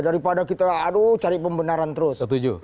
daripada kita aduh cari pembenaran terus